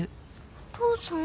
お父さん！